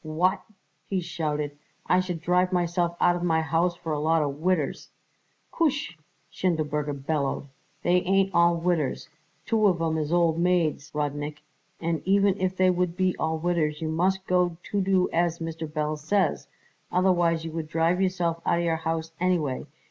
"What!" he shouted. "I should drive myself out of my house for a lot of widders!" "Koosh!" Schindelberger bellowed. "They ain't all widders. Two of 'em is old maids, Rudnik, and even if they would be all widders you must got to do as Mr. Belz says, otherwise you would drive yourself out of your house anyway.